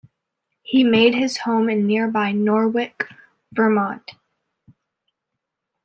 He made his home in nearby Norwich, Vermont.